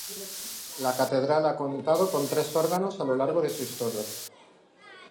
La Catedral ha contado con tres órganos a lo largo de su historia.